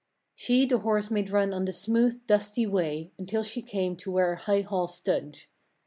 3. She the horse made run on the smooth, dusty way, until she came to where a high hall stood.